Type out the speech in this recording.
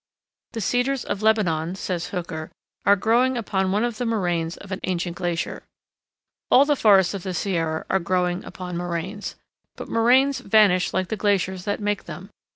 The Cedars of Lebanon, says Hooker, are growing upon one of the moraines of an ancient glacier. All the forests of the Sierra are growing upon moraines. But moraines vanish like the glaciers that make them.